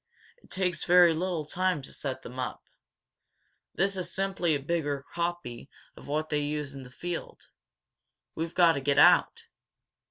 It takes very little time to set them up. This is simply a bigger copy of what they use in the field. We've got to get out!"